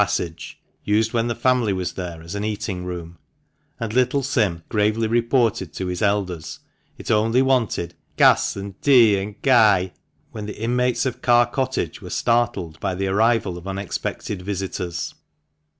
passage (used, when the family was there, as an eating room), and little Sim gravely reported to his elders it only wanted "gass, an' tee, an' ky," when the inmates of Carr Cottage were startled by the arrival of unexpected visitors.